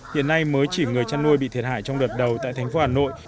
hiện nay mới chỉ người chăn nuôi bị thiệt hại trong đợt đầu tại thành phố hà nội